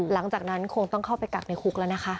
หลังจากนั้นคงต้องเข้าไปกักในคุกแล้วนะคะ